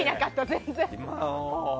全然。